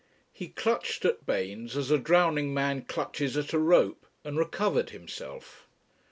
He clutched at Baynes as a drowning man clutches at a rope, and recovered himself.